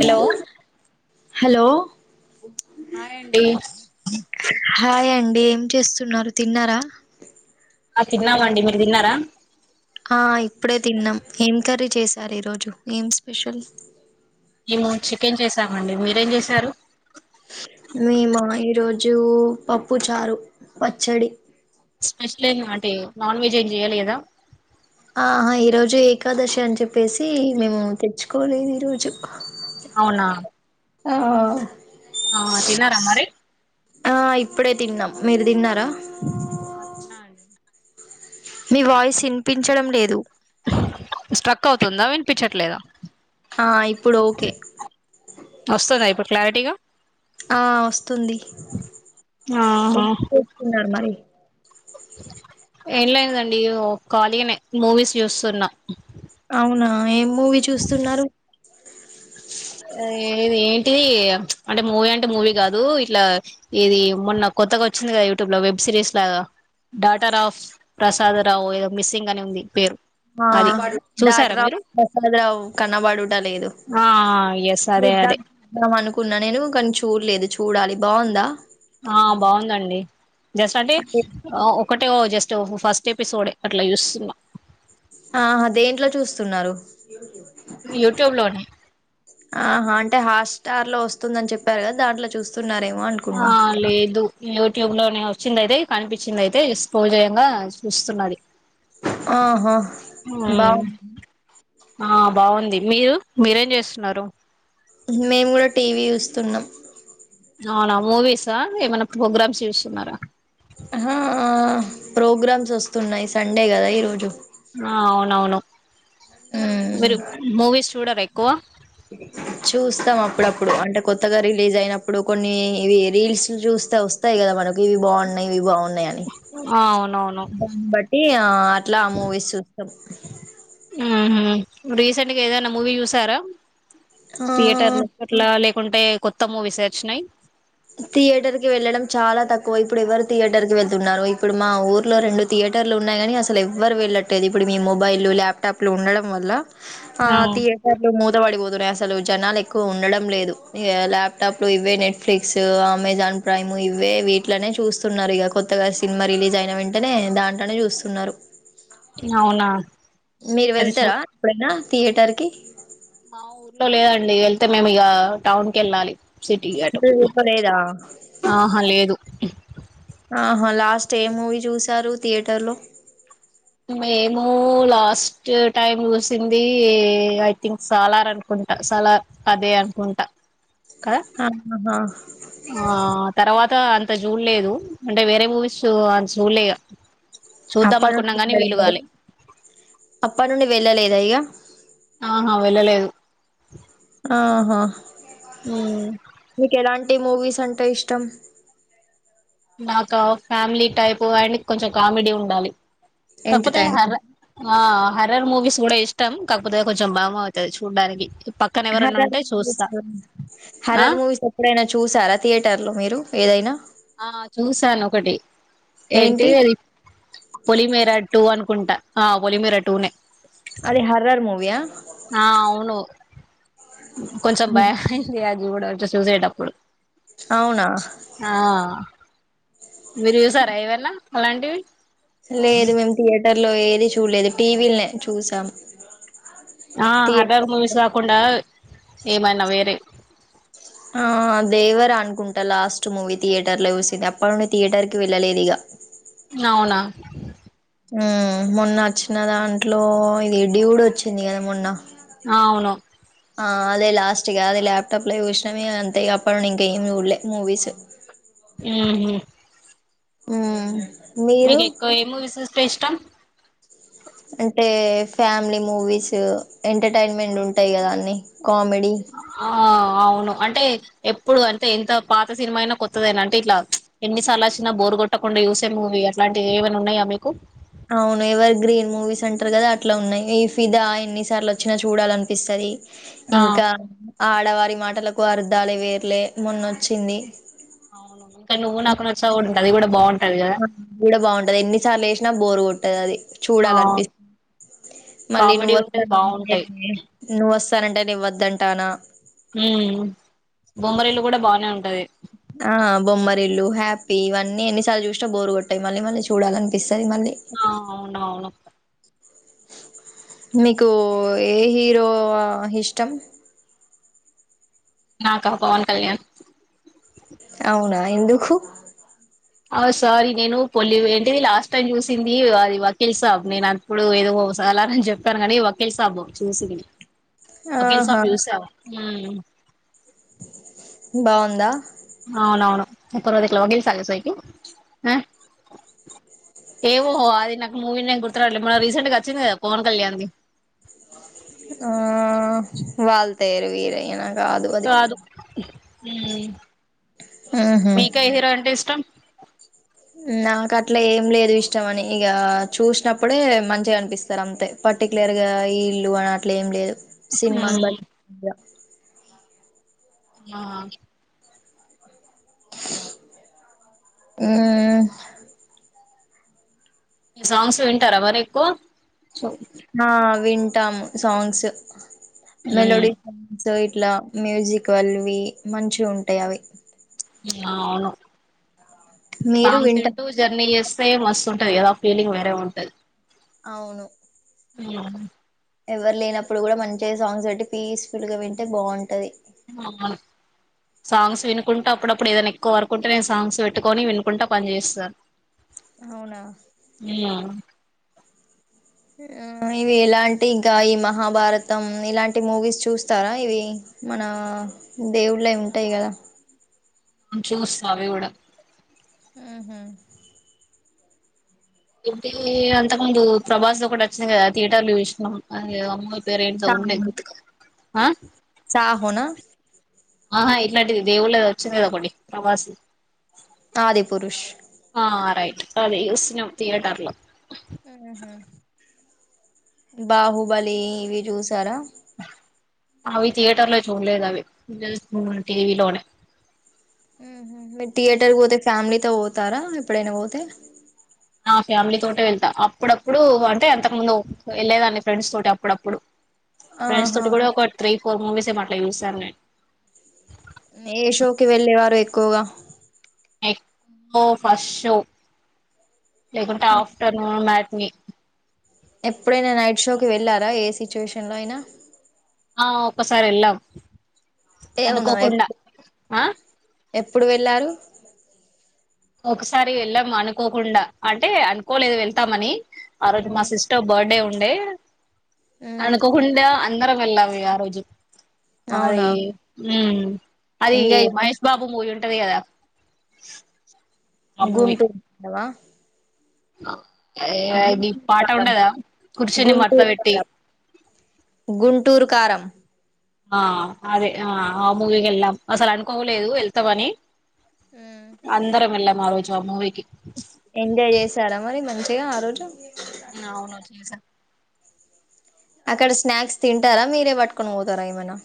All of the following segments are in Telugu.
హలో హలో అాండి హాయ్ అండి ఏం చేస్తున్నారు తిన్నారా ఆ తిన్నామండి మీరు తిన్నారా ఆ ఇప్పుడే తిన్నాం ఏం కర్రీ చేశారు ఈరోజు ఏం స్పెషల్ అవుండి మీరేం చేశారు మే మా ఈరోజు పప్పు చారు పచ్చడి స్పెషల్ ఏ అంటే నాన్ వెజ్ ఏం చెయాలి కదా ఆహా ఈ రోజు ఏకాదశి అని చెప్పేసి మేము తెచ్చుకోలేదు ఈ రోజు అవునా ఆ ఆ తన్నార మరి ఆ ఇప్పుడే తిన్నాం మీరు తిన్నారా ఆ తిన్నా అండి మీ వాయిస్ వినిపించడం లేదు స్ట్రక్ అవుతుందా వినిపించట్లేదా ఆ ఇప్పుడు ఓకే వస్తుందా ఇప్పుడు క్లారిటీగా ఆ వస్తుంది ఎ ఆహా చస్తున్నారు మరి ఏం లేనదండి ఖాళీగానే మూవీస్ చూస్తున్నా అవునా ఏం మూవీ చూస్తున్నారు ఇది ఏంటి అంటే మూవీ అంటే మూవీ కాదు ఇట్లా ఇది మొన్న కొత్తగా వచ్చింది కదా ఇ యూట్యూబ్ లో వెబ్ సిరీస్ లాగా డాటర్ ఆఫ్ ప్రసాద రావు ఏదో మిస్సింగ్ అని ఉంది పేరు అది ఆ చూసారా డాటరాఫ్ మీరు ప్రసాద రావు కనబడుట లేదు ఆ ఎస్ అదే చూద్దా అదే చూద్దాం అనుకున్నా నేను కానీ చూడలేదు చూడాలి బాగుందా ఆ బావుందండి జస్ట్ అంటే ఒకటే ఓ జస్ట్ ఫస్ట్ ఎపిసోడే అట్లా చూస్తున్నా ఆహ దేంట్లో చూస్తున్నారు యూట్యూబ్ లోనే ఆహా అంటే హాస్ స్టార్ లో వస్తుందని చెప్పారు కదా దాంట్లో చూస్తు ఆ లేదు యూట్యూబ్ లోనే వచ్చిందైతే కనిపించింది అయితే స్క్రోల్ చేయంగా చూస్తున్నది ఆహా హ్మ్ బాగుంది ఆ బావుంది మీరు మీరేం చేస్తున్నారు మేము గూడా టీవీ జూస్తున్నాం అవునా మూవీసా ఏమైనా ప్రోగ్రామ్స్ చూస్తున్నారా ఆహా ప్రోగ్రామ్స్ వస్తున్నాయి సండే గదా ఈరోజు ఆ అవునవును మ్మ్ మీరు మూవీస్ చూడర ఎక్కువ చూస్తాం అప్పుడప్పుడు అంటే కొత్తగా రిలీజ్ అయినప్పుడు కొన్ని ఇవి రీల్స్ చూస్ వస్త వస్తాయి గద మనకి ఇవి బాగున్నాయి ఇవి బాగు ఉన్నయని ఆ అవునవును దాన్ని బట్టి ఆ అట్లా మూవీస్ చూస్తున్నాం ఉమ్ హు రీసెంట్గా ఏదన్నా మూవీ జూసారా ఆ థియేటర్లు అట్లా లేకుంటే కొత్త మూవీస్ వచ్చినయి థియేటర్ కి వెళ్ళడం చాలా తక్కువ ఇప్పుడు ఎవరు థియేటర్ కి వెళ్తున్నారు ఇప్పుడు మా ఊర్లో రెండు థియేట టర్లు ఉన్నాయి కానీ అసలు ఎవ్వరు వెళ్ళట్టలేదు ఇప్పుడు మీ మొబైలు ల్యాప్టాప్లు ఉండడం వల్ల ఆ థియేటర్లు మూతబడిపోతు అసలు జనాలు ఎక్కువ ఉండడం లేదుఇగ ల్యాప్టాప్లు ఇవ్వే నెట్ నెట్ఫ్లిక్స్ అమెజాన్ ప్రైమ్ ఇవే వీటిలనే చూస్తున్నారు ఇక కొత్తగా సినిమా రిలీజ్ అయిన వెంటనే దాంట్లనే జూస్తున్నరు అవునా మీరు అది చూ వెళ్తరా ఎప్పుడైనా థియేటర్ కి మా ఊర్లో లేదండి యెళ్తే మేము ఇగ టౌన్ కి యెళ్ళాలి సిటిగటు లేదా ఆహా లేదు ఆహా లాస్ట్ ఏ మూవీ జూసారు థియేటర్ లో మేము లాస్ట్ టైమ్ చూసింది ఐ థింక్ సాలార్ అనుకుంట సాలార్ అదే అనుకుంటా కదా ఆహా హా ఆ తర్వాత అంత జూడలేదు అంటే వేరే మూవీస్ చూడలే ఇగా అప్ప నుండి వెళ్ళలేదు అప్పడా నుండి వెళ్ళలేద ఇగా ఆహా వెళ్ళలేదు ఆహ ఆ ఏ మూవీస్ అంటే ఇష్టం నాకా ఫ్యామిలీ టైప్ అండ్ కొంచెం కామెడీ ఉండాలి కాకపోతే ఎంటర్టైన్ హర్ర హర్రర్ మూవీస్ కూడా ఇష్టం కాకపోతే కొంచెం బామ అయితది చూడడానికి హార్రర్ మూవీస్ ఆ హర్రర్ మూవీస్ ఎప్పుడైనా చూసారా థియేటర్ లో మీరు ఏదైనా ఆ చూసాను ఒకటి ఏంటి అది పొలిమేర టు అనుకు కుంట ఆ పోలిమేరటూనే అది హర్రర్ మూవీయా ఆ అవును కొంచెం భయమైంది అది గూడా చూసేటప్పుడు అవునా ఆ మీరు జూసార ఏవైనా అలాంటివి లేదు మేము థియేటర్ లో ఏది చూడలేదు టీవీల్నే చూసాం ఆ హార్రర్ థియేటర్ మూవీస్ కాకుండా ఏమైనా వేరే ఆ దేవర అనుకుంటా లాస్ట్ మూవీ థియేటర్ లో చూసింది అప్పడ నుండి థియేటర్ కి వెళ్ళలేదిగా అవునా ఉమ్ మొన్న వచ్చిన దాంట్లో ఇది డ్యూడ్ వచ్చింది గదా మొన్న ఆ అవును ఆ అదే లాస్ట్ ఇగా అదే ల్యాప్టాప్ లో జూసిన ఇగ అంతే అప్పుడు ఇంక ఏం జూడలే మూవీస్ ఉమ్ హు హ్మ్మ్ మీకు ఎక్కువ ఏ మూవీ చూస్తే ఇష్టం అంటే ఫ్యామిలీ మూవీస్ ఎంటర్టైన్మెంట్ ఉంటాయి కదా అన్నిీ ఆ అవును అంటే ఎప్పుడు అంటే ఎంత పాత సినిమా అయినా కొత్తదైనా అంటే ఇట్లా ఎన్నిసార్లు వచ్చినా బోరుగొట్ట యూసే మూవీ అట్లాంటివి ఏమైనా ఉన్నాయా మీకు అవును ఎవరు గ్రీన్ మూవీస్ అంటారు కదా అట్లా ఉన్నాయి ఈ ఫిదా ఎన్నిసార్లు వచ్చినా చూడాల అనిపిస్తుంది ఆ ఇంకా ఆడవారి మాటలకు అర్ధాలుే వేర్లే మొన్నొచ్చింది అవును ఇంకా నువ్వు నాకు నచ్చావుంది అది కూడా బాగుంటుంది గూడా బాగుంటది ఎన్నిసార్లు యెసినా బోరుగొట్టదది ఆ చూడాల అనిపి మళ్ళీ కామెడీ నువ్వ ఉంటది వస్తానంటే బాగుంటాయి నువ్వ వస్తానంటే నేనొద్దంటానా ఉ బొమ్మరీల్లు కూడా బాగానే ఉంటది ఆ బొమ్మరిల్లు హ్యాపీ ఇవన్నీ ఎన్నిసార్లు చూసినా బోరు కొట్టాయి మళ్ళీ మళ్ళీ చూడాల అనిపిస్తుంది ఆ అవును అవును మీకు ఏ హీరో ఇష్టం నాకా పవన్ కళ్యాణ్ అవునా ఎందుకు ఆ సారీ నేను పొలి ఏంటిది లాస్ట్ టైమ్ చూసింది వకీల్ సాబ్ నేను అప్పుడు ఏదో చాల అని చెప్పాను కానీ వకీల్ సాబు చూసింది వకీల్ ఆహా సాబ్ చూశా నేను బాగుందా అవునవును పర్వదకిలా వగిల్ సాల సయికి ఆ [unintelligible] ఏ ోహో అది నాకు మూవీ నేమ్ గుర్తున్నాట్లే మన రీసెంట్ గా వచ్చింది కదా పవన్ కళ్యాణ్ి ఆ వాల్తేరు వీరయ్య కాదు ఉహు మీకే హీరో అంటే ఇష్టం నాకు అట్లా ఏం లేదు ఇష్టం అని ఇక చూసినప్పుడే మంచిగా అనిపిస్తారు అంతే పర్టికులర్ గా ఇల్లు అని అట్లే ఏం లేదు సినిమాని మ్మ్. బట్టి ఆ ఆ మీ సాంగ్స్ వింటారా మరి ఎక్కువ ఆ వింటాము సాంగ్స్ మ్మ్. మెలోడీ సాంగ్స్ సో ఇట్లా మ్యూజిక్ వాళవి మంచి ఉంటాయి అవి అవును మీరు సాంగ్స్ వింటారా వింటూ జర్నీ చేస్తే మస్తు ఉంటది కదా ఫీలింగ్ వేరే ఉంటంది అవును ఆ ఎవరు లేనప్పుడు కూడా మంచిగా సాంగ్స్ బట్టి పీస్ఫుల్ గా వింటే బాగుంటది ఆ సాంగ్స్ వినుకుంటూ అప్పుడప్పుడు ఏదైనా ఎక్కువ వర్క్ ఉంటే నేను సాంగ్స్ పెట్టుకొని వినుకుంటా పని చేేస్తాను అవునా అ ఇవి ఎలాంటి గా ఈ మహాభారతం ఇలాంటి మూవీస్ చూస్తారా ఇవి మన దేవుళ్ళై ఉంటాయి కదా చూస్తా అవి కూడా ఆహా ఇతే అంతకు ముందు ప్రభాస్ లో ఒకటి వచ్చిందియి కదా థియేటర్లు చూసాం అమ్మ పేరు ఏంటో ఉంది గుర్తుకు ఆ సాహో నా ఆహా ఇట్లాంటిది దేవుళ్ళ వచ్చింది కద ఒక్కటి ప్రభాస్ ది ఆది పురుష ఆ రైట్ అదే చూసిన తియేటర్లో ఉ హ్మ్ హ్మ్ బాహుబలి ఇవి చూసారా అవి థియేటర్ లో చూడలేదు అవి జస్ట్ టీవీలోనే మీరు థియేటర్ పోతే ఫ్యామిలీతో పోతారా ఎప్పుడైనా పోతే నా ఫ్యామిలీ తోటే వెళ్తా అప్పుడప్పుడు అంటే అంతకు ముందు వెళ్ళేదాన్ని ఫ్రెండ్స్ తోటి అప్పుడప్పుడు ఫ్రెండ్స్ ఆహా తోటి కూడా ఒక త్రీ ఫోర్ మూవీస్ ఏమో అట్లా చూసాను నేను ఏ షోకి వెళ్ళే వారు ఎక్కువగా ఎక్కువ ఫస్ట్ షో లేకుంటే ఆ ఆఫ్టర్నూన్ మ్యాట్ నీ ఎప్పుడైనా నైట్ షోకి వెళ్ళారా ఏ సిచ్యువేషన్లో అయినా ఆ ఒక్కసారి వెళ్ళాం అవునా అనుకోకుండా ఎప్పు ఆ ఎప్పుడు వెళ్ళారు ఒకసారి ఎళ్ళాం అనుకోకుండా అంటే అనుకోలేదు వెళ్తామని ఆ రోజు మా ఉమ్ సిస్టర్ బర్డే ఉండే ఉమ్ అనుకోకుండా అందరం వెళ్ళాం ఇగ ఆ రోజు మరి అవునా ఊమ్ అది ఎంజాయ్ మహేష్ బాబు మూవీ ఉంటది గదా గుంటూ [inaudible] అది గుంటూరు పాట కారం ఉండదా కూర్చీని మడ్త పెట్టి గుంటూరుకారం ఆ అదే ఆ ఆ మూవీకెళ్ళాం అసలు అనుకోలేదు వెళ్తామని ఉమ్ అందరం వెళ్ళాం ఆ రోజు ఆ మూవీకి టే ఆ రోజు ఊ అవును చూసా అక్కడ స్నాక్స్ తింటారా మీరే పట్టుకొని పోతారా ఏమైనా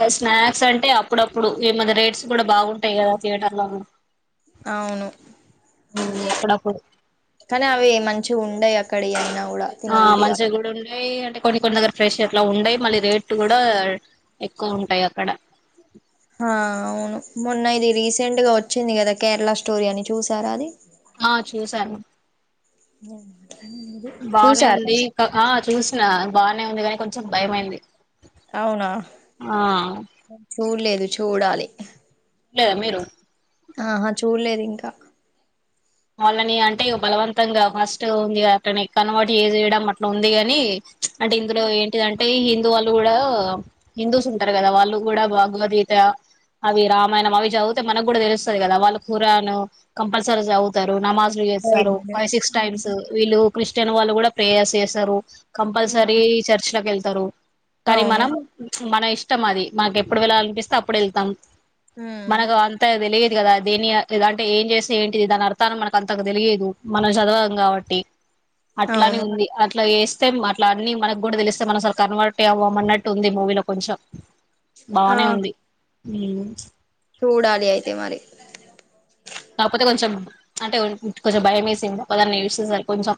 గ స్నాక్స్ అంటే అప్పుడప్పుడు ఈమధ్య రేట్స్ కూడా బాగుంటాయి కదా థియేటర్ లోను అవును అవును అప్పుడప్పుడు చు ఉండయి అక్కడ ఇయన్నూ ఆ మంచిగా గూడ ఉండయి అంటే కొన్ని కొన్ని దగ్గర ఫ్రెష్ అట్లా ఉండయి మళ్ళీ రేట్ కూడా ఎక్కువ ఉంటాయి అక్కడ హా అవును మొన్న ఇది రీసెంట్ గా వచ్చింది కదా కేరళ స్టోరీ అని చూసారా అది ఆ చూసాను బానే చూసారా ఉంది క ఆ చూస్ నా బానే ఉంది గానీ కొంచెం భయమైంది అవునా ఆ [inaudible] చూడలేదు చూడాలి లేదా మీరు ఆహా చూడలేదు ఇంకా వాళ్ళని అంటే బలవంతంగా ఫస్ట్ ఉంది అట్ని ఎ కనవాటి ఏ చేయడం అట్లా ఉంది ని అంటే ఇందులో ఏంటిదంటే హిందూ వాళ్ళు కూడా హిందూస్ ఉంటారు కదా వాళ్ళు కూడా భాగవద్ అవి రామాయణం అవి చదివితే మనకు కూడా తెలుస్తుంది కదా వాళ్ళ కూరను కంపల్సరీ చదువు నమాజులు చేస్తారు బైబిల్ ఫై సిక్స్ టైమ్స్ వీళ్ళు క్రిస్టియన్ వాళ్ళు కూడా ప్రేయర్స్ చేస్తారు ఉమ్. కంపల్సరీ చర్చ లోకి వెళ్తారు కానీ అవును మనం మన ఇష్టం అది మనకి ఎప్పుడు వెళ్ళాల అనిపిస్తే అప్పుడు వెళ్తాం ఉమ్. మనకు అంతా తెలియ కదా దేని లేదంటే ఏం చేస్తే ఏంటిది దాని అర్థం మనకు అంతకు తెలియదు మనం చదవం కాబట్టి అట్లానే అవును ఉంది అట్లా వ అట్లా అన్ని మనకు కూడా తెలిస్తే మనం అసలు కన్వర్ట్ అవ్వమ అన్నట్టు ఉంది మూవీలో కొంచెం ఆ బానే ఉంది చూడాలి అయితే మరి కాకపోతే కొంచెం అంటే కొంచెం భయం వేసిందిపోదాన్ని సేసారు కొంచెం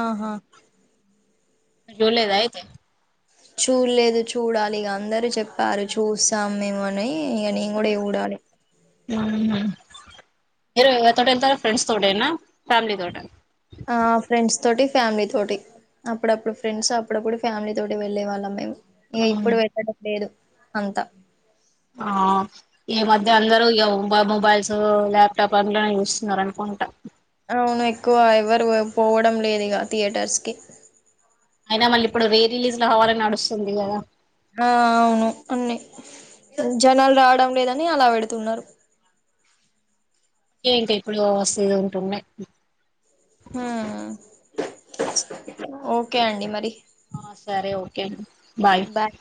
ఆహా మీరు చూడలేదా అయితే చూడలేదు చూడాలి ఇక అందరుూ చెప్పారు చూస్తాం మేము అని ఈ ఇగ నెంగూడేవుడాలి మీరు ఎవరి తోటి వెళ్తారు ఫ్రెండ్స్ తోటేనా ఫ్యామిలీ తోటా? ఆ ఫ్రెండ్స్ తోటి ఫ్యామిలీ తోటి. అప్పుడప్పుడు ఫ్రెండ్స్ అప్పుడప్పుడు ఫ్యామిలీ తోటి వెళ్లేే వాళ్ళం మేము. ఇగ ఇప్పుడు వెళ్ళడం లేదు అంతా ఆ ఈ మధ్య హ్మ్ అందరు ఇగ ఊ గ మొబైల్స్ ల్యాప్టాప్ అందులోనే చూస్తున్నారు అనుకుంట. అవును ఎక్కువ ఎవరు వ పోవడం లేదుగా థియేటర్స్ కి. అయినా మళ్ళీ ఇప్పుడు రీ రిలీజ్ లో అవ్వాలని నడుస్తుంది గదా. ఆ అవును అన్ని ఉ జనాలు రావడం లేదని అలా పెడుతున్నారు. ఏంటి ఎప్పుడు [unintelligible] టున్నాయి. హా ఓకే అండి మరి ఆ సరే ఓకే అన్ బాయ్